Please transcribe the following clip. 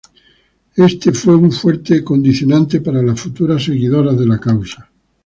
Éste fue un fuerte condicionante para las futuras seguidoras de la causa.